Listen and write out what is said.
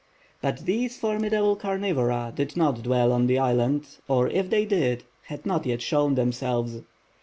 But these formidable carnivora did not dwell on the island, or if they did, had not yet shown themselves.